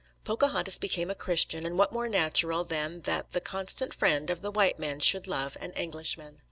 Pocahontas became a Christian, and what more natural than that the constant friend of the white men should love an Englishman?